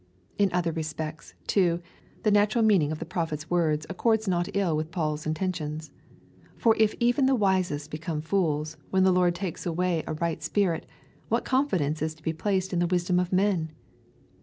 In other respects, too, the natural meaning of the Prophet's words accords not ill with Paul's intention ; for if even the wisest become fools, when the Lord takes away a right spirit, what confidence is to be placed in the wisdom of men